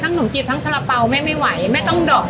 ทั้งหนุ่มกีดทั้งสาปั๊วแม่ไม่ไหวแม่ต้องดอก